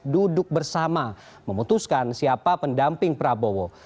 duduk bersama memutuskan siapa pendamping prabowo